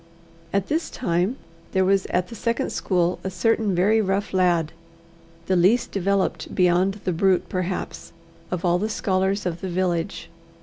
At this time there was at the second school a certain very rough lad, the least developed beyond the brute, perhaps, of all the scholars of the village.